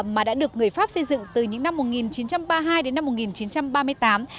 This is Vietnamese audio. mà đã được người pháp xây dựng từ những năm một nghìn chín trăm ba mươi hai đến năm một nghìn chín trăm ba mươi tám